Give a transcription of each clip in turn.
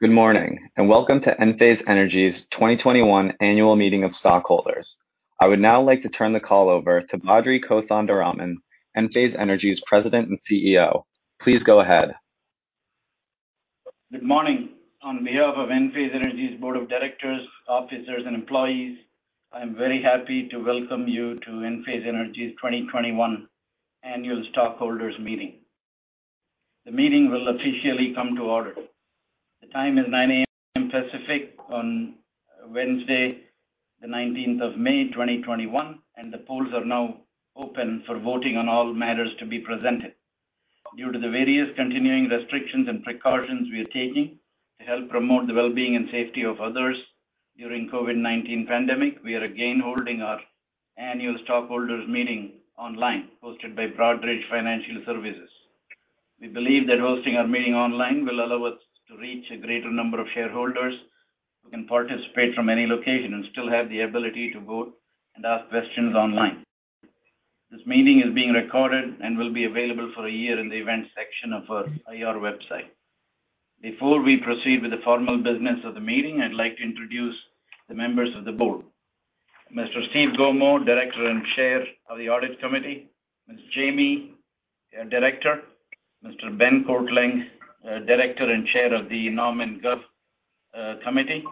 Good morning, welcome to Enphase Energy's 2021 Annual Meeting of Stockholders. I would now like to turn the call over to Badri Kothandaraman, Enphase Energy's President and CEO. Please go ahead. Good morning. On behalf of Enphase Energy's Board of Directors, officers, and employees, I am very happy to welcome you to Enphase Energy's 2021 annual stockholders meeting. The meeting will officially come to order. The time is 9:00 A.M. Pacific on Wednesday, the May 19th, 2021, and the polls are now open for voting on all matters to be presented. Due to the various continuing restrictions and precautions we are taking to help promote the well-being and safety of others during COVID-19 pandemic, we are again holding our annual stockholders meeting online, hosted by Broadridge Financial Services. We believe that hosting our meeting online will allow us to reach a greater number of shareholders who can participate from any location and still have the ability to vote and ask questions online. This meeting is being recorded and will be available for a year in the events section of our IR website. Before we proceed with the formal business of the meeting, I'd like to introduce the members of the board. Mr. Steve Gomo, Director and Chair of the Audit Committee. Ms. Jamie, Director. Mr. Ben Kortlang, Director and Chair of the Nom and Gov Committee.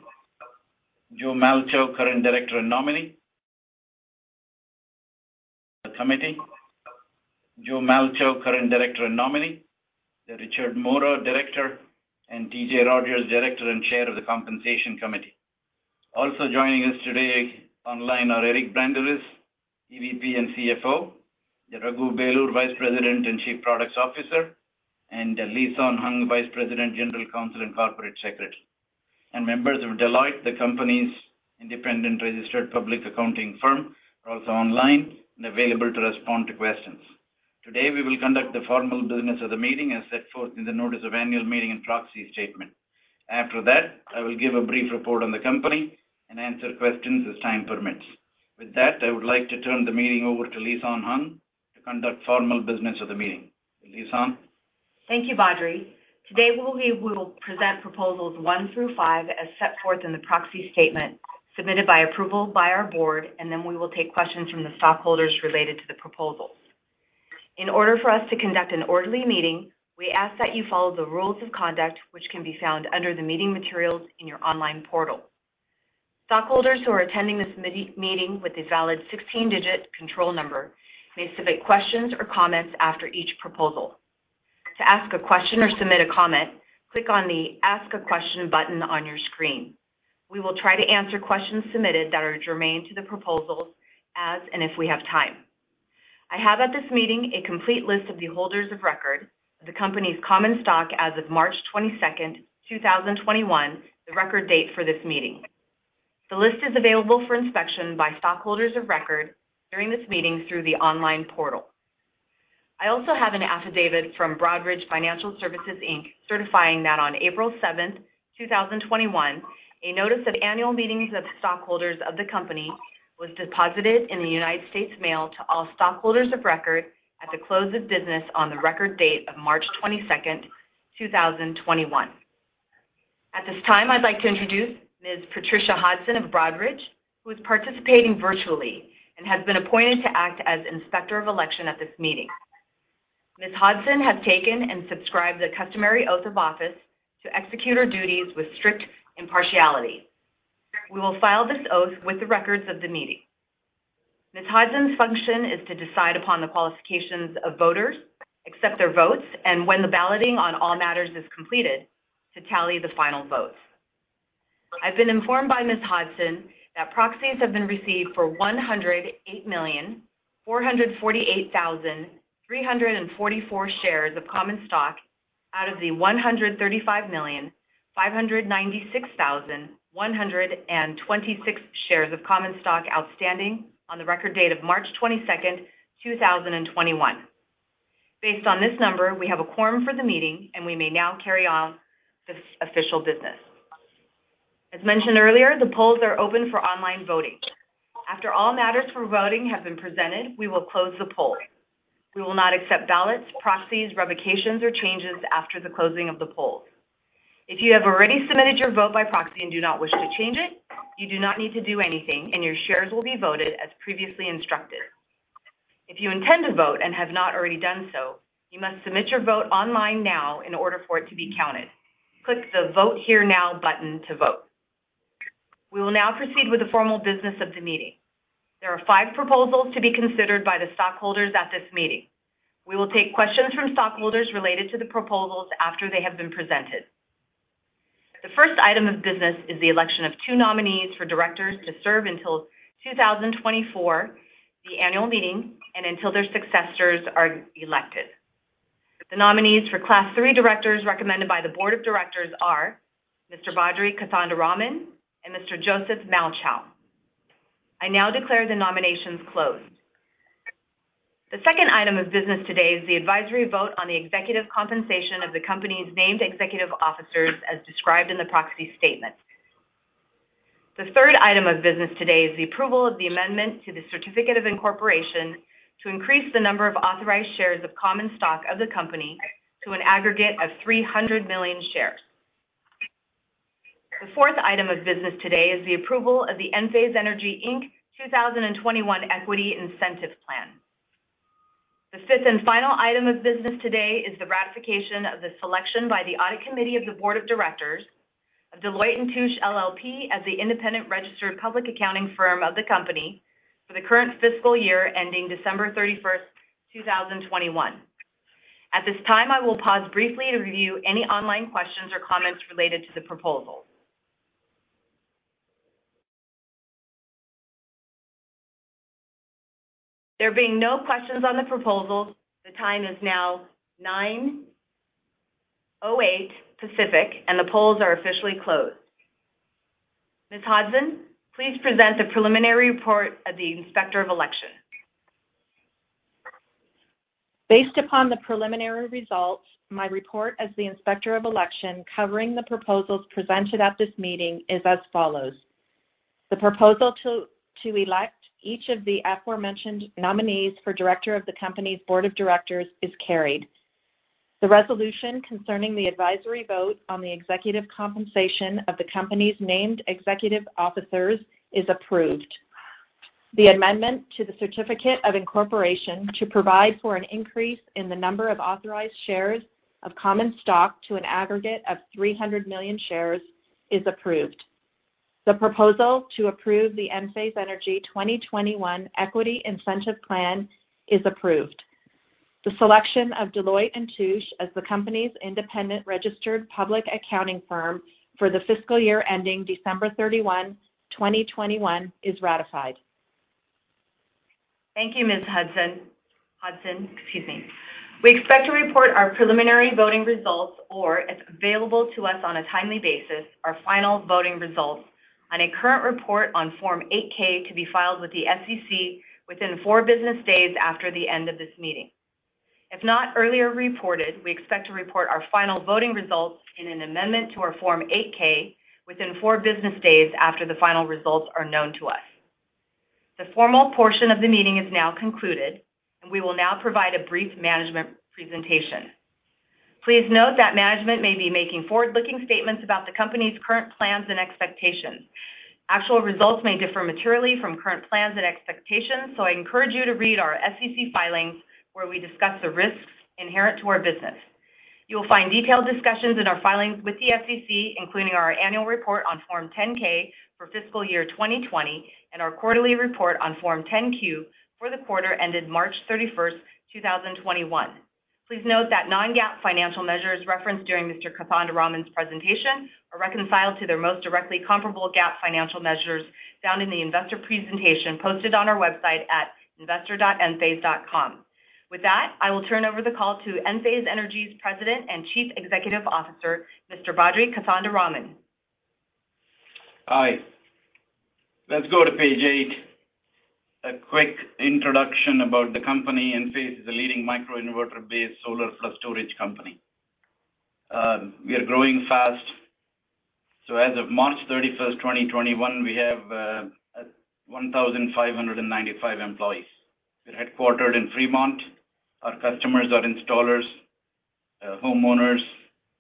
Joe Malchow, current Director and nominee. Richard Mora, Director, and T.J. Rodgers, Director and Chair of the Compensation Committee. Also joining us today online are Eric Branderiz, EVP and CFO. Raghu Belur, Vice President and Chief Products Officer, and Lisan Hung, Vice President, General Counsel, and Corporate Secretary. Members of Deloitte & Touche, the company's independent registered public accounting firm, are also online and available to respond to questions. Today, we will conduct the formal business of the meeting as set forth in the notice of annual meeting and proxy statement. After that, I will give a brief report on the company and answer questions as time permits. With that, I would like to turn the meeting over to Lisan Hung to conduct formal business of the meeting. Lisan? Thank you, Badri. Today we will present proposals one through five as set forth in the proxy statement submitted by approval by our board, and then we will take questions from the stockholders related to the proposals. In order for us to conduct an orderly meeting, we ask that you follow the rules of conduct, which can be found under the meeting materials in your online portal. Stockholders who are attending this meeting with a valid 16-digit control number may submit questions or comments after each proposal. To ask a question or submit a comment, click on the Ask a Question button on your screen. We will try to answer questions submitted that are germane to the proposals as and if we have time. I have at this meeting a complete list of the holders of record of the company's common stock as of March 22nd, 2021, the record date for this meeting. The list is available for inspection by stockholders of record during this meeting through the online portal. I also have an affidavit from Broadridge Financial Services, Inc, certifying that on April 7th, 2021, a notice of Annual Meetings of Stockholders of the company was deposited in the United States mail to all stockholders of record at the close of business on the record date of March 22nd, 2021. At this time, I'd like to introduce Ms. [Patricia Hudson] of Broadridge, who is participating virtually and has been appointed to act as Inspector of Election at this meeting. Ms. [Hudson] has taken and subscribed the customary oath of office to execute her duties with strict impartiality. We will file this oath with the records of the meeting. Ms. [Hodson's] function is to decide upon the qualifications of voters, accept their votes, and when the balloting on all matters is completed, to tally the final votes. I've been informed by Ms. [Hudson] that proxies have been received for 108,448,344 shares of common stock out of the 135,596,126 shares of common stock outstanding on the record date of March 22nd, 2021. Based on this number, we have a quorum for the meeting, and we may now carry on this official business. As mentioned earlier, the polls are open for online voting. After all matters for voting have been presented, we will close the poll. We will not accept ballots, proxies, revocations, or changes after the closing of the polls. If you have already submitted your vote by proxy and do not wish to change it, you do not need to do anything, and your shares will be voted as previously instructed. If you intend to vote and have not already done so, you must submit your vote online now in order for it to be counted. Click the Vote Here Now button to vote. We will now proceed with the formal business of the meeting. There are five proposals to be considered by the stockholders at this meeting. We will take questions from stockholders related to the proposals after they have been presented. The first item of business is the election of two nominees for directors to serve until 2024, the annual meeting, and until their successors are elected. The nominees for Class III directors recommended by the Board of Directors are Mr. Badri Kothandaraman and Mr. Joseph Malchow. I now declare the nominations closed. The second item of business today is the advisory vote on the executive compensation of the company's named executive officers as described in the proxy statement. The third item of business today is the approval of the amendment to the certificate of incorporation to increase the number of authorized shares of common stock of the company to an aggregate of 300 million shares. The fourth item of business today is the approval of the Enphase Energy, Inc 2021 Equity Incentive Plan. The fifth and final item of business today is the ratification of the selection by the Audit Committee of the Board of Directors of Deloitte & Touche LLP as the independent registered public accounting firm of the company for the current fiscal year ending December 31st, 2021. At this time, I will pause briefly to review any online questions or comments related to the proposal. There being no questions on the proposal, the time is now 9:08 A.M. Pacific, and the polls are officially closed. Ms. [Hodson], please present the preliminary report of the inspector of election. Based upon the preliminary results, my report as the inspector of election covering the proposals presented at this meeting is as follows. The proposal to elect each of the aforementioned nominees for director of the company's Board of Directors is carried. The resolution concerning the advisory vote on the executive compensation of the company's named executive officers is approved. The amendment to the certificate of incorporation to provide for an increase in the number of authorized shares of common stock to an aggregate of 300 million shares is approved. The proposal to approve the Enphase Energy 2021 Equity Incentive Plan is approved. The selection of Deloitte & Touche as the company's independent registered public accounting firm for the fiscal year ending December 31, 2021, is ratified. Thank you, Ms. [Hodson]. We expect to report our preliminary voting results, or as available to us on a timely basis, our final voting results on a current report on Form 8-K to be filed with the SEC within four business days after the end of this meeting. If not earlier reported, we expect to report our final voting results in an amendment to our Form 8-K within four business days after the final results are known to us. The formal portion of the meeting is now concluded, and we will now provide a brief management presentation. Please note that management may be making forward-looking statements about the company's current plans and expectations. Actual results may differ materially from current plans and expectations, so I encourage you to read our SEC filings, where we discuss the risks inherent to our business. You will find detailed discussions in our filings with the SEC, including our annual report on Form 10-K for fiscal year 2020 and our quarterly report on Form 10-Q for the quarter ended March 31st, 2021. Please note that non-GAAP financial measures referenced during Mr. Kothandaraman's presentation are reconciled to their most directly comparable GAAP financial measures found in the investor presentation posted on our website at investor.enphase.com. With that, I will turn over the call to Enphase Energy's President and Chief Executive Officer, Mr. Badri Kothandaraman. Hi. Let's go to page eight. A quick introduction about the company. Enphase is a leading microinverter-based solar plus storage company. We are growing fast. As of March 31st, 2021, we have 1,595 employees. We're headquartered in Fremont. Our customers are installers, homeowners,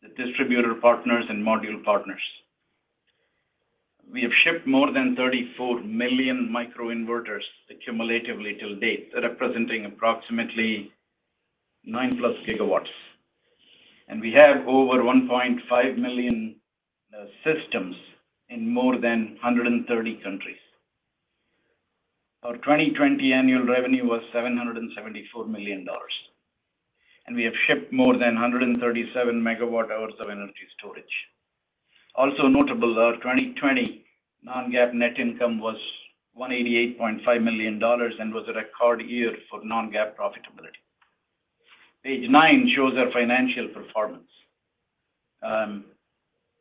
the distributor partners, and module partners. We have shipped more than 34 million microinverters cumulatively till date, representing approximately 9+ GW. We have over 1.5 million systems in more than 130 countries. Our 2020 annual revenue was $774 million. We have shipped more than 137 MW hours of energy storage. Also notable, our 2020 non-GAAP net income was $188.5 million and was a record year for non-GAAP profitability. Page nine shows our financial performance.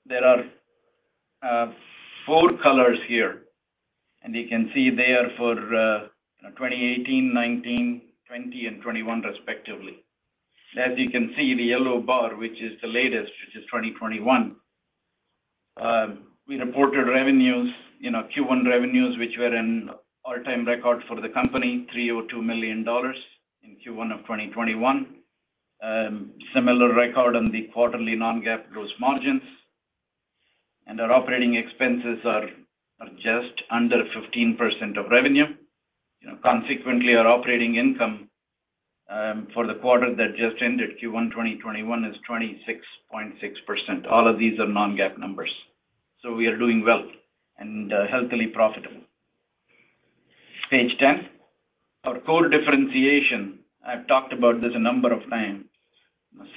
There are four colors here. You can see they are for 2018, 2019, 2020, and 2021, respectively. As you can see, the yellow bar, which is the latest, which is 2021. We reported revenues, Q1 revenues, which were an all-time record for the company, $302 million in Q1 of 2021. Similar record on the quarterly non-GAAP gross margins. Our operating expenses are just under 15% of revenue. Consequently, our operating income, for the quarter that just ended, Q1 2021, is 26.6%. All of these are non-GAAP numbers. We are doing well and healthily profitable. Page 10. Our core differentiation, I've talked about this a number of times.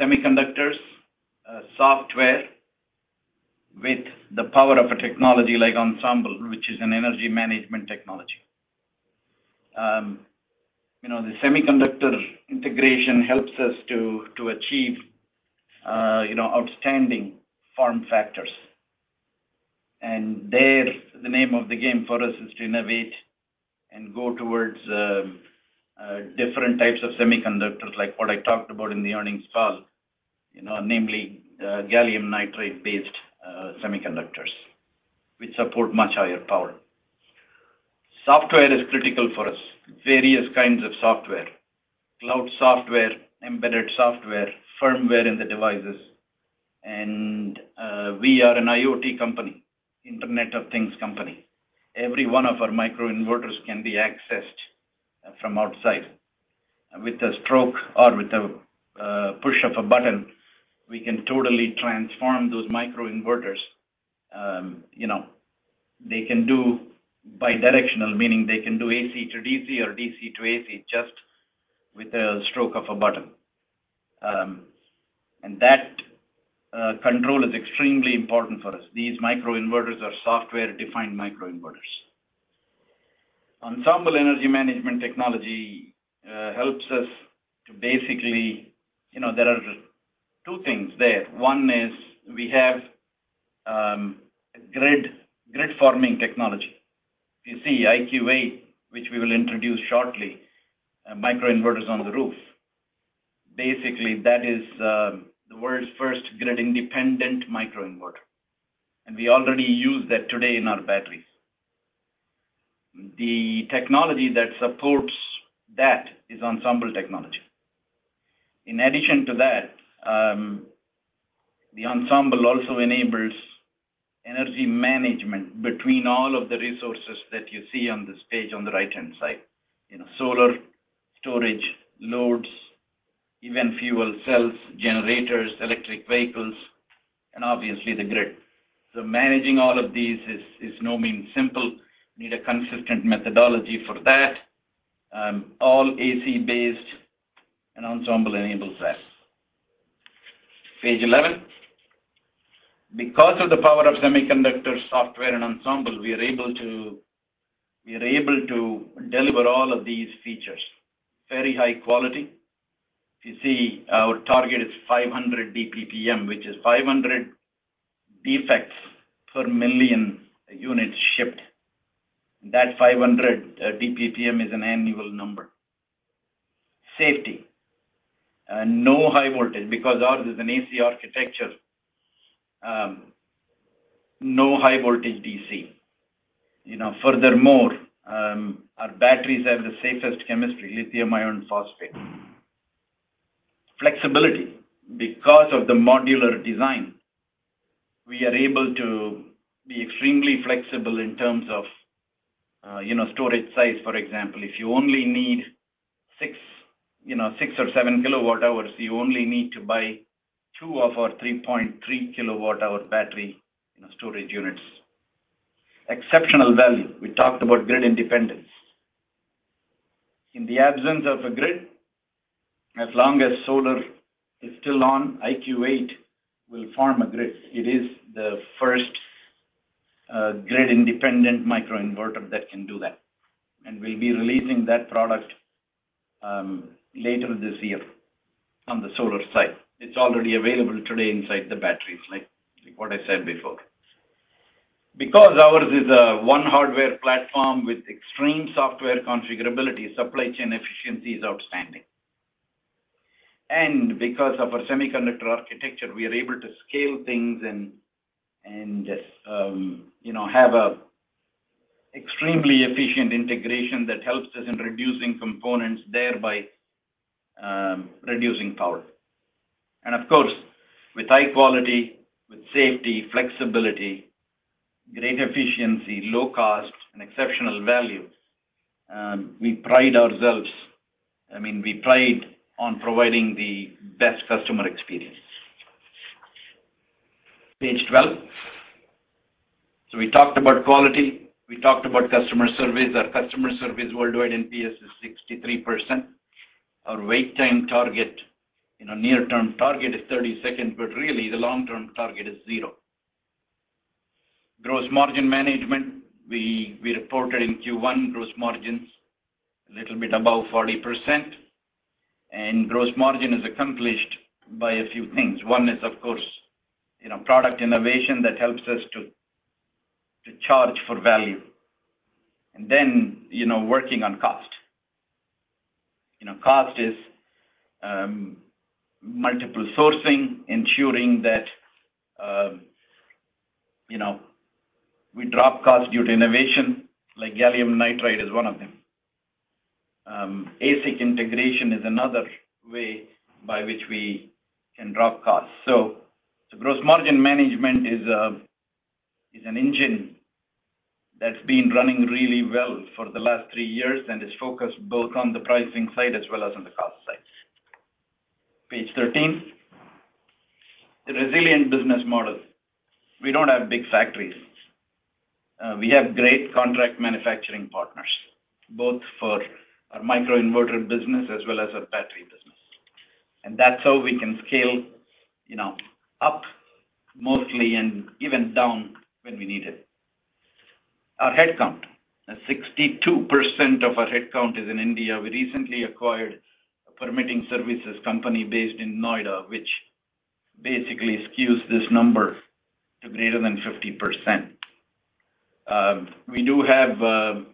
Semiconductors, software with the power of a technology like Ensemble, which is an energy management technology. The semiconductor integration helps us to achieve outstanding form factors. There, the name of the game for us is to innovate and go towards different types of semiconductors, like what I talked about in the earnings call, namely gallium nitride-based semiconductors, which support much higher power. Software is critical for us. Various kinds of software, cloud software, embedded software, firmware in the devices. We are an IoT company, Internet of Things company. Every one of our microinverters can be accessed from outside. With a stroke or with a push of a button, we can totally transform those microinverters. They can do bi-directional, meaning they can do AC to DC or DC to AC just with a stroke of a button. That control is extremely important for us. These microinverters are software-defined microinverters. Ensemble energy management technology helps us to basically, there are two things there. One is we have grid-forming technology. You see IQ8, which we will introduce shortly, microinverters on the roof. Basically, that is the world's first grid-independent microinverter, and we already use that today in our batteries. The technology that supports that is Ensemble technology. In addition to that, the Ensemble also enables energy management between all of the resources that you see on the stage on the right-hand side. Solar, storage, loads, even fuel cells, generators, electric vehicles, and obviously the grid. Managing all of these is no mean simple. We need a consistent methodology for that. All AC-based, Ensemble enables that. Page 11. Because of the power of semiconductor software and Ensemble, we are able to deliver all of these features. Very high quality. You see, our target is 500 DPPM, which is 500 defects per million units shipped. That 500 DPPM is an annual number. Safety and no high voltage, because ours is an AC architecture. No high voltage DC. Furthermore, our batteries have the safest chemistry, lithium iron phosphate. Flexibility. Because of the modular design, we are able to be extremely flexible in terms of storage size, for example. If you only need 6 kWh or 7 kWh, you only need to buy two of our 3.3 kWh battery storage units. Exceptional value. We talked about grid independence. In the absence of a grid, as long as solar is still on, IQ8 will form a grid. It is the first grid-independent microinverter that can do that, and we'll be releasing that product later this year on the solar side. It's already available today inside the batteries, like what I said before. Because ours is a one hardware platform with extreme software configurability, supply chain efficiency is outstanding. Because of our semiconductor architecture, we are able to scale things and have an extremely efficient integration that helps us in reducing components, thereby reducing power. Of course, with high quality, with safety, flexibility, great efficiency, low cost, and exceptional value, we pride ourselves. We pride on providing the best customer experience. Page 12. We talked about quality, we talked about customer service. Our customer service worldwide NPS is 63%. Our wait time target, near term target is 30 seconds, but really the long-term target is zero. Gross margin management. We reported in Q1 gross margins a little bit above 40%, and gross margin is accomplished by a few things. One is, of course, product innovation that helps us to charge for value. Working on cost. Cost is multiple sourcing, ensuring that we drop cost due to innovation, like gallium nitride is one of them. ASIC integration is another way by which we can drop cost. Gross margin management is an engine that's been running really well for the last three years, and is focused both on the pricing side as well as on the cost side. Page 13. The resilient business model. We don't have big factories. We have great contract manufacturing partners, both for our microinverter business as well as our battery business. That's how we can scale up mostly and even down when we need it. Our headcount. 62% of our headcount is in India. We recently acquired a permitting services company based in Noida, which basically skews this number to be greater than 50%. We do have a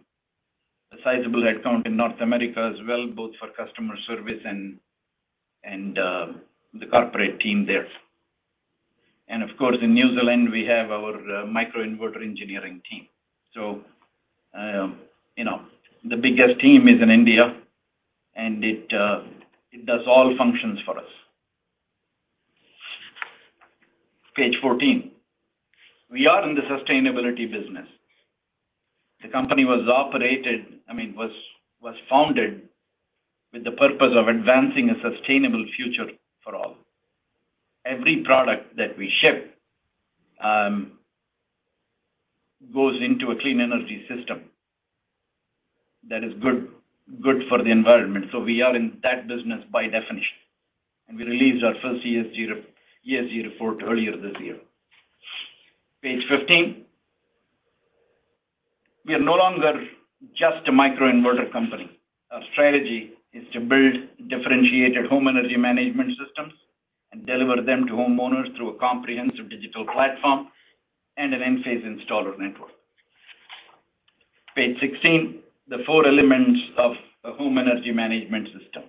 sizable account in North America as well, both for customer service and the corporate team there. Of course, in New Zealand, we have our microinverter engineering team. The biggest team is in India, and it does all functions for us. Page 14. We are in the sustainability business. The company was founded with the purpose of advancing a sustainable future for all. Every product that we ship goes into a clean energy system that is good for the environment. We are in that business by definition, and we released our first ESG report earlier this year. Page 15. We are no longer just a microinverter company. Our strategy is to build differentiated home energy management systems and deliver them to homeowners through a comprehensive digital platform and an Enphase installer network. Page 16. The four elements of a home energy management system.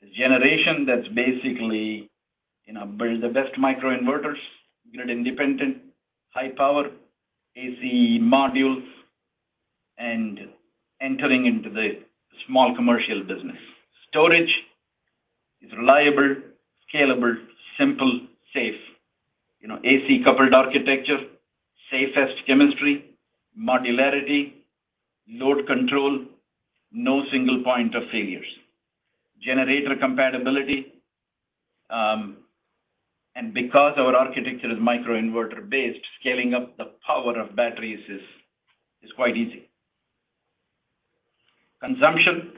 The generation that's basically build the best microinverters, grid independent, high-power AC modules, and entering into the small commercial business. Storage is reliable, scalable, simple, safe. AC coupled architecture, safest chemistry, modularity, load control, no single point of failures, generator compatibility. Because our architecture is microinverter based, scaling up the power of batteries is quite easy. Consumption.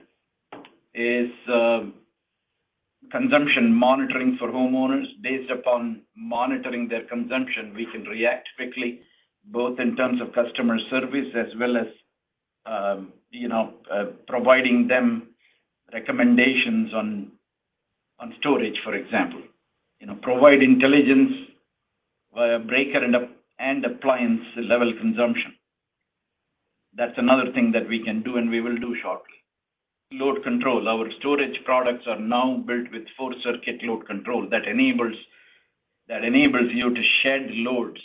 Consumption monitoring for homeowners. Based upon monitoring their consumption, we can react quickly, both in terms of customer service as well as providing them recommendations on storage, for example. Provide intelligence via breaker and appliance level consumption. That's another thing that we can do, and we will do shortly. Load control. Our storage products are now built with full circuit load control. That enables you to shed loads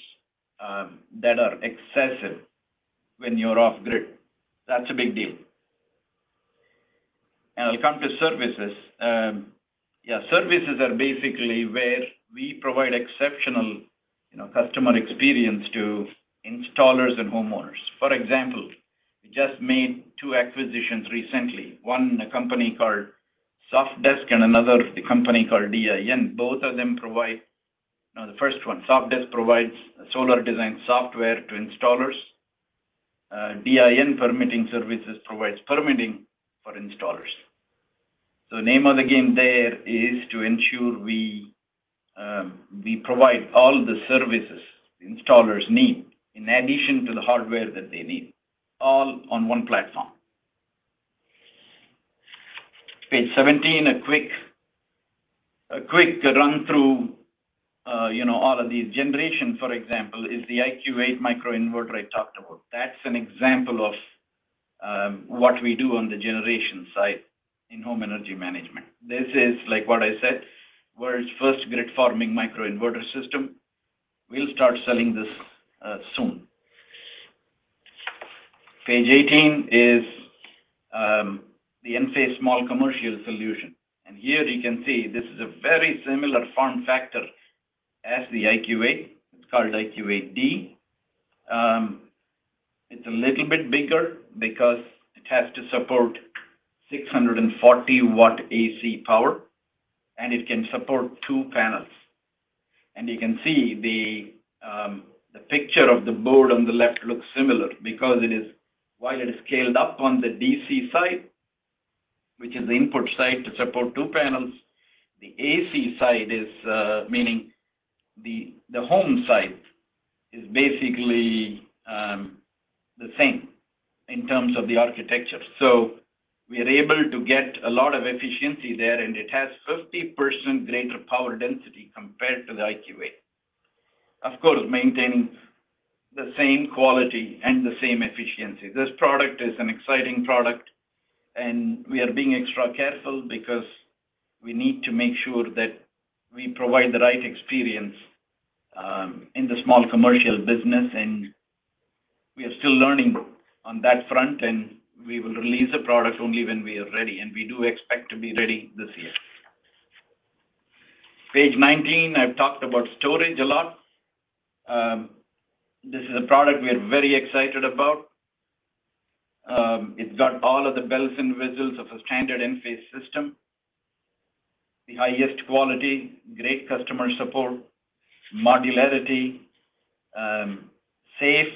that are excessive when you're off grid. That's a big deal. I'll come to services. Yeah, services are basically where we provide exceptional customer experience to installers and homeowners. For example, we just made two acquisitions recently. One, a company called Sofdesk and another, a company called DIN. The first one, Sofdesk, provides solar design software to installers. DIN Engineering Services provides permitting for installers. The name of the game there is to ensure we provide all the services installers need in addition to the hardware that they need, all on one platform. Page 17, a quick run through all of these. Generation, for example, is the IQ8 microinverter I talked about. That's an example of what we do on the generation side in home energy management. This is, like what I said, world's first grid-forming microinverter system. We'll start selling this soon. Page 18 is the Enphase small commercial solution. Here you can see this is a very similar form factor as the IQ8. It's called IQ8D. It's a little bit bigger because it has to support 640 W AC power, and it can support two panels. You can see the picture of the board on the left looks similar because while it is scaled up on the DC side, which is the input side to support two panels, the AC side, meaning the home side, is basically the same in terms of the architecture. We are able to get a lot of efficiency there, and it has 50% greater power density compared to the IQ8. Of course, maintaining the same quality and the same efficiency. This product is an exciting product, and we are being extra careful because we need to make sure that we provide the right experience in the small commercial business. We are still learning on that front, and we will release the product only when we are ready. We do expect to be ready this year. Page 19. I've talked about storage a lot. This is a product we are very excited about. It's got all of the bells and whistles of a standard Enphase system. The highest quality, great customer support, modularity, safe,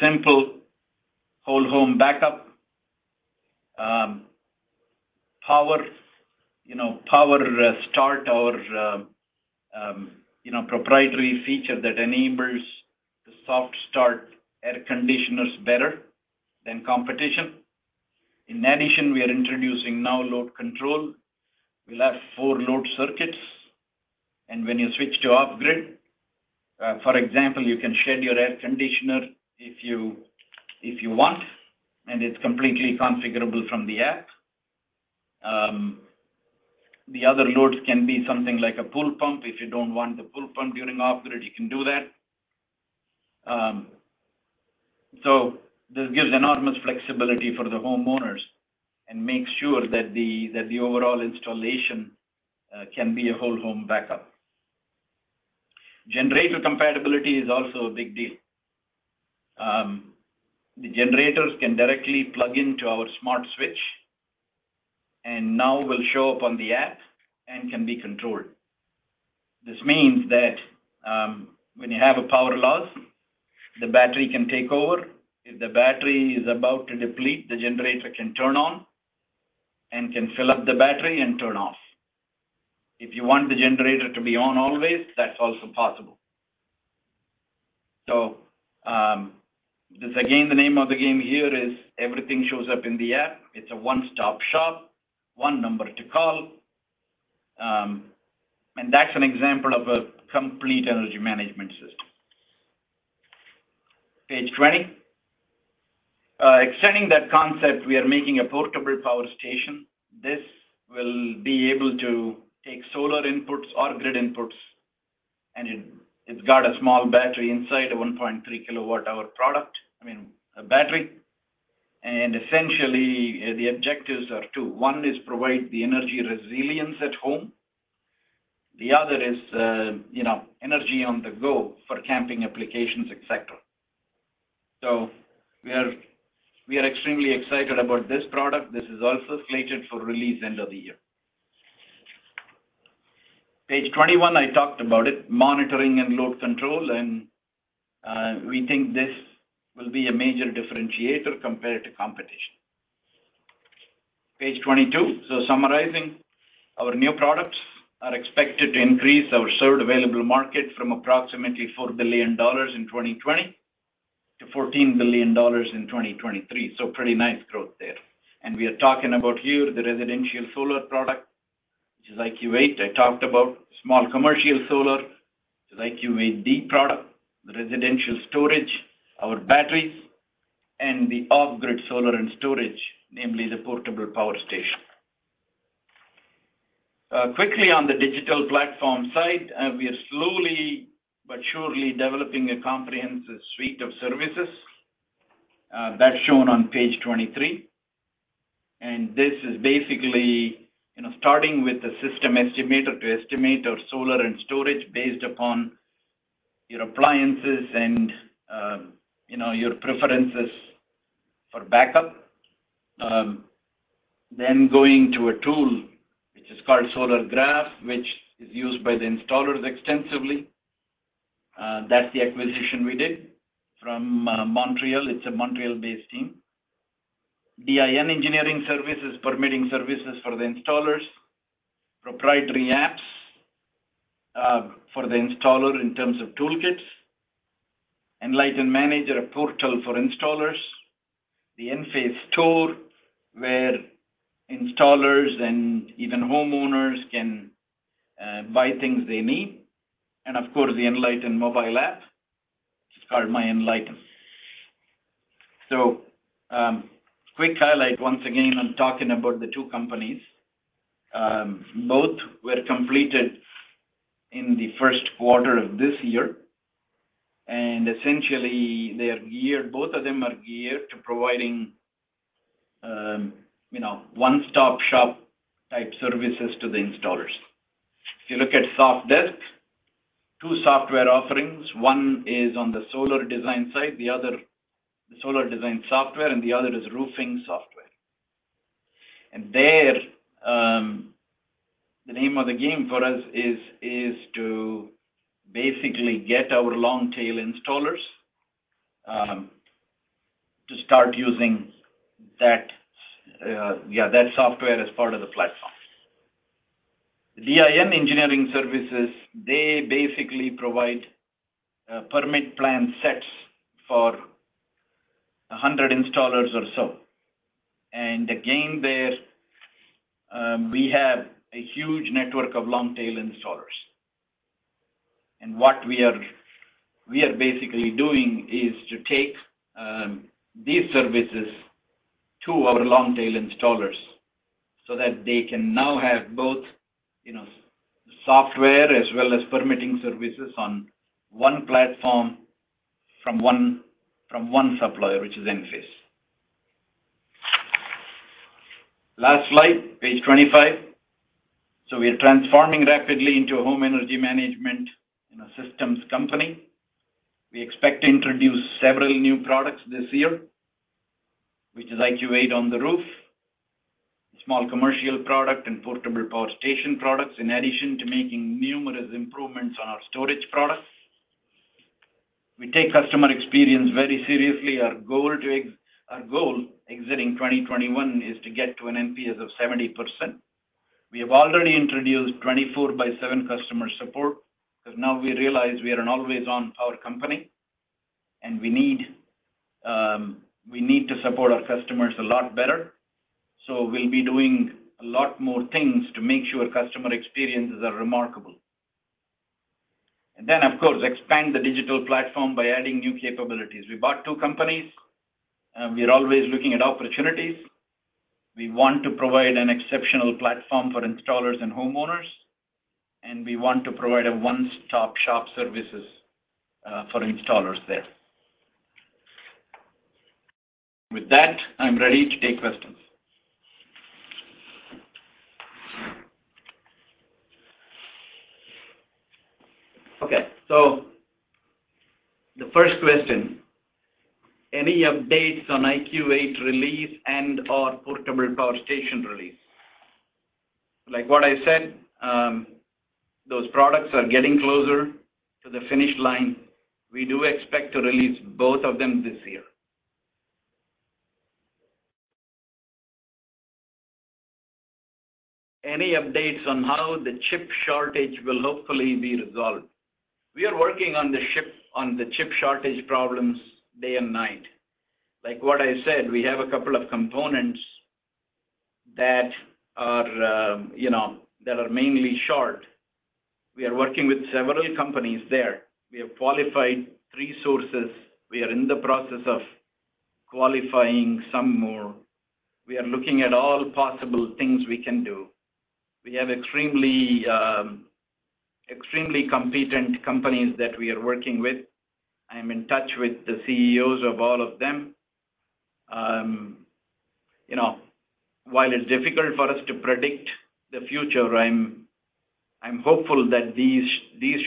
simple, whole home backup. Power start. Our proprietary feature that enables the soft start air conditioners better than competition. In addition, we are introducing now load control. We'll have four load circuits. When you switch to off-grid, for example, you can share your air conditioner if you want, and it's completely configurable from the app. The other load can be something like a pool pump. If you don't want the pool pump during off-grid, you can do that. This gives enormous flexibility for the homeowners and makes sure that the overall installation can be a whole home backup. Generator compatibility is also a big deal. The generators can directly plug into our smart switch, now will show up on the app and can be controlled. This means that when you have a power loss, the battery can take over. If the battery is about to deplete, the generator can turn on and can fill up the battery and turn off. If you want the generator to be on always, that's also possible. Again, the name of the game here is everything shows up in the app. It's a one-stop shop, one number to call. That's an example of a complete energy management system. Page 20. Extending that concept, we are making a portable power station. This will be able to take solar inputs, off-grid inputs, and it's got a small battery inside, a 1.3 kWh product. I mean, a battery. Essentially, the objectives are two. One is provide the energy resilience at home. The other is energy on the go for camping applications, et cetera. We are extremely excited about this product. This is also slated for release end of the year. Page 21, I talked about it, monitoring and load control, and we think this will be a major differentiator compared to competition. Page 22. Summarizing, our new products are expected to increase our served available market from approximately $4 billion in 2020 to $14 billion in 2023. Pretty nice growth there. We are talking about here the residential solar product, which is IQ8 I talked about, small commercial solar, which is IQ8D product, residential storage, our batteries, and the off-grid solar and storage, namely the portable power station. Quickly on the digital platform side, we are slowly but surely developing a comprehensive suite of services. That's shown on page 23. This is basically starting with a system estimator to estimate our solar and storage based upon your appliances and your preferences for backup. Going to a tool which is called Solargraf, which is used by the installers extensively. That's the acquisition we did from Montreal. It's a Montreal-based team. DIN Engineering Services, permitting services for the installers, proprietary apps for the installer in terms of toolkits, Enlighten Manager, a portal for installers, the Enphase store where installers and even homeowners can buy things they need, and of course, the Enlighten mobile app. It's called MyEnlighten. Quick highlight once again on talking about the two companies. Both were completed in the first quarter of this year, and essentially, both of them are geared to providing one-stop-shop type services to the installers. If you look at Sofdesk, two software offerings. One is on the solar design side, the other, the solar design software, and the other is roofing software. There, the name of the game for us is to basically get our long-tail installers to start using that software as part of the platform. DIN Engineering Services, they basically provide permit plan sets for 100 installers or so. Again, there, we have a huge network of long-tail installers. What we are basically doing is to take these services to our long-tail installers so that they can now have both software as well as permitting services on one platform from one supplier, which is Enphase. Last slide, page 25. We are transforming rapidly into a home energy management systems company. We expect to introduce several new products this year, which is IQ8 on the roof, a small commercial product, and portable power station products, in addition to making numerous improvements on our storage products. We take customer experience very seriously. Our goal exiting 2021 is to get to an NPS of 70%. We have already introduced 24/7 customer support because now we realize we are an always-on power company. We need to support our customers a lot better. We'll be doing a lot more things to make sure customer experiences are remarkable. Of course, expand the digital platform by adding new capabilities. We bought two companies, and we are always looking at opportunities. We want to provide an exceptional platform for installers and homeowners, and we want to provide a one-stop shop services for installers there. With that, I'm ready to take questions. Okay, the first question, any updates on IQ8 release and/or portable power station release? Like what I said, those products are getting closer to the finish line. We do expect to release both of them this year. Any updates on how the chip shortage will hopefully be resolved? We are working on the chip shortage problems day and night. Like what I said, we have a couple of components that are mainly short. We are working with several companies there. We have qualified three sources. We are in the process of qualifying some more. We are looking at all possible things we can do. We have extremely competent companies that we are working with. I am in touch with the CEOs of all of them. While it's difficult for us to predict the future, I'm hopeful that these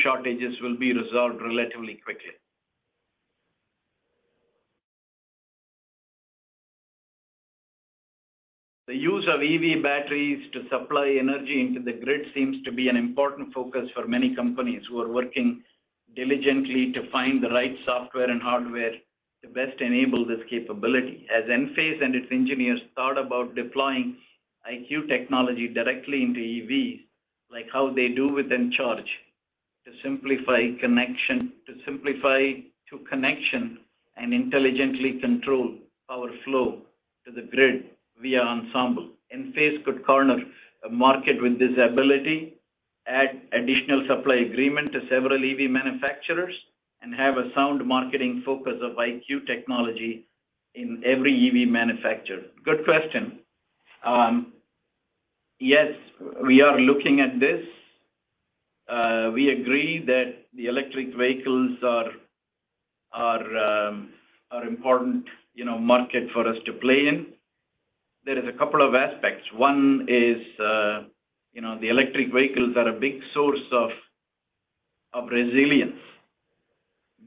shortages will be resolved relatively quickly. The use of EV batteries to supply energy into the grid seems to be an important focus for many companies who are working diligently to find the right software and hardware to best enable this capability. Has Enphase and its engineers thought about deploying IQ technology directly into EVs, like how they do with Encharge, to simplify the connection and intelligently control power flow to the grid via Ensemble? Enphase could corner a market with this ability, add additional supply agreement to several EV manufacturers, and have a sound marketing focus of IQ technology in every EV manufacturer. Good question. Yes, we are looking at this. We agree that the electric vehicles are important market for us to play in. There is a couple of aspects. One is, the electric vehicles are a big source of resilience.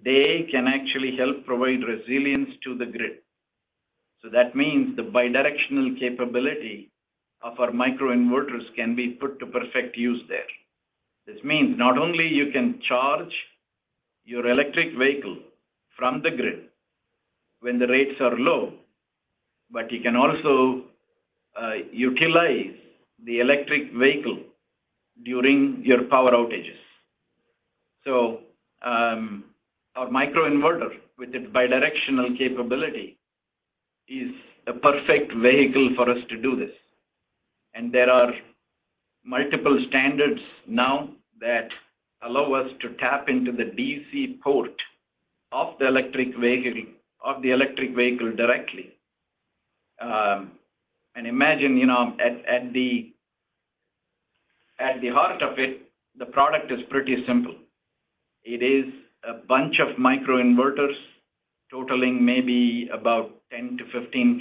They can actually help provide resilience to the grid. That means the bi-directional capability of our microinverters can be put to perfect use there. This means not only you can charge your electric vehicle from the grid when the rates are low, but you can also utilize the electric vehicle during your power outages. Our microinverter, with its bi-directional capability, is a perfect vehicle for us to do this. There are multiple standards now that allow us to tap into the DC port of the electric vehicle directly. Imagine, at the heart of it, the product is pretty simple. It is a bunch of microinverters totaling maybe about 10 kW to 15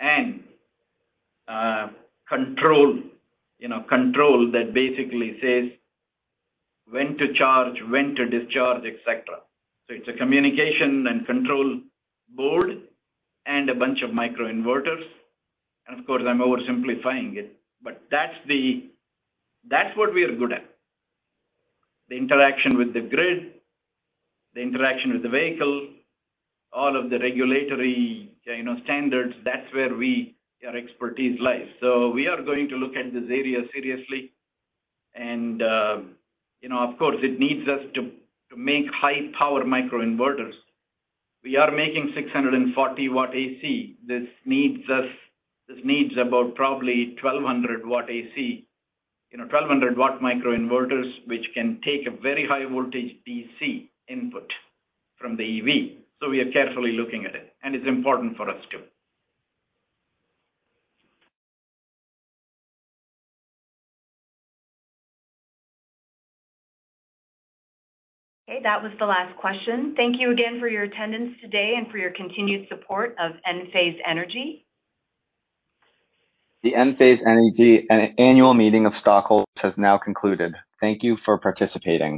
kWs, and control that basically says when to charge, when to discharge, et cetera. It's a communication and control board and a bunch of microinverters. Of course, I'm oversimplifying it, but that's what we are good at. The interaction with the grid, the interaction with the vehicle, all of the regulatory standards, that's where our expertise lies. We are going to look at this area seriously, and of course, it needs us to make high-power microinverters. We are making 640 W AC. This needs about probably 1,200 W AC, 1,200 W microinverters, which can take a very high voltage DC input from the EV. We are carefully looking at it, and it's important for us, too. Okay, that was the last question. Thank you again for your attendance today and for your continued support of Enphase Energy. The Enphase Energy Annual Meeting of Stockholders has now concluded. Thank you for participating.